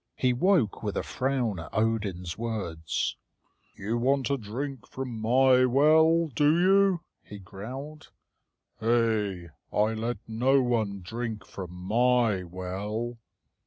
He woke with a frown at Odin's words. "You want a drink from my well, do you?" he growled. "Hey! I let no one drink from my well."